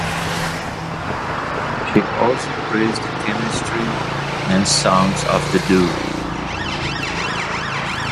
She also praised the chemistry and songs of the duo.